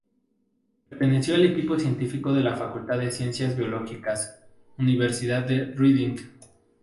Perteneció al equipo científico de la Facultad de Ciencias Biológicas, Universidad de Reading.